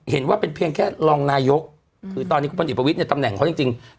เห็นว่าเป็นเพียงแค่รองนายกคือตอนนี้คุณพลเอกประวิทย์ในตำแหน่งเขาจริง